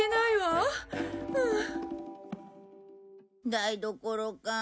台所かあ。